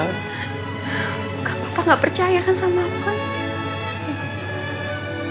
tunggu papa gak percaya kan sama aku kan